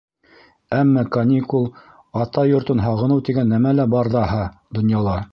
Әммә каникул, атай йортон һағыныу тигән нәмә лә бар ҙаһа донъяла.